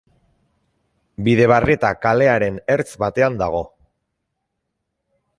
Bidebarrieta kalearen ertz batean dago.